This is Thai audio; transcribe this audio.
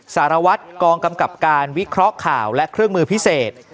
สารวัตรกองกำกับการวิเคราะห์ข่าวและเครื่องมือพิเศษ